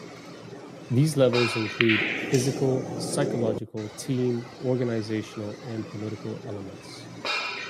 These levels include physical, psychological, team, organizational, and political elements.